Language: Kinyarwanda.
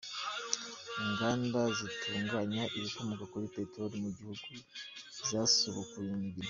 Inganda zitunganya ibikomoka kuri peteroli mu gihugu zasubukuye imirimo.